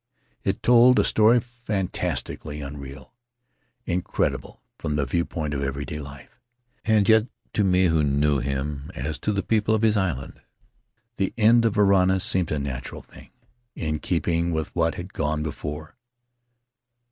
It told a story fantastically unreal — incredible from the viewpoint of everyday life — and yet to me who knew him, as to the people of his island, the end of Varana seemed a natural thing, in keeping with what had gone before.